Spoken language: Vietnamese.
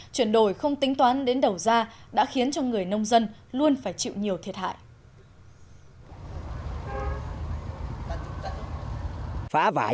chuyển đổi không tính toán đến đầu ra đã khiến cho người nông dân luôn phải chịu nhiều thiệt hại